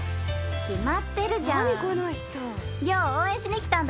決まってるじゃーん。